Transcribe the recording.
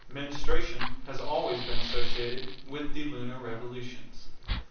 Menstruation has always been associated with the lunar revolutions.